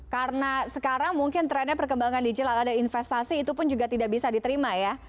karena sekarang mungkin trendnya perkembangan digital dan investasi itu pun juga tidak bisa diterima ya